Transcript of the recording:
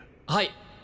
はい！